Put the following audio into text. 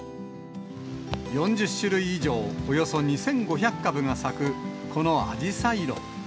４０種類以上、およそ２５００株が咲く、このあじさい路。